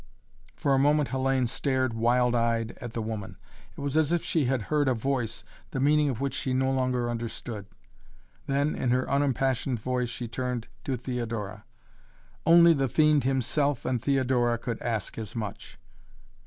For a moment Hellayne stared wild eyed at the woman. It was as if she had heard a voice, the meaning of which she no longer understood. Then, in her unimpassioned voice, she turned to Theodora. "Only the fiend himself and Theodora could ask as much!"